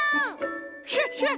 クシャシャ！